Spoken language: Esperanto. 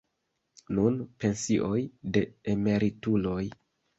Nun pensioj de emerituloj.